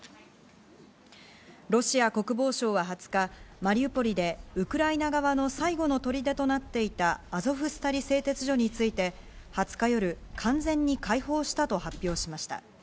ロシア国防省は２０日マリウポリで、ウクライナ側の最後の砦となっていたアゾフスタリ製鉄所について２０日夜、完全に解放したと発表しました。